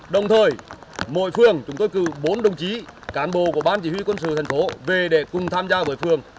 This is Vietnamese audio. đồng thời mỗi phường chúng tôi cử bốn đồng chí cán bộ của ban chỉ huy quân sự thành phố về để cùng tham gia với phường